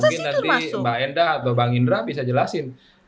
mungkin nanti mbak enda atau bang indra bisa jelasin